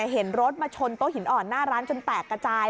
เห็นรถมาชนโต๊ะหินอ่อนหน้าร้านจนแตกกระจาย